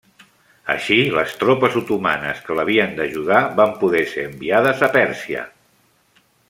Així les tropes otomanes que l'havien d'ajudar van poder ser enviades a Pèrsia.